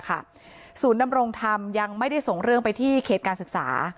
ศูนย์ดำรงธรรมยังไม่ได้ส่งเรื่องไปที่เขตการศึกษา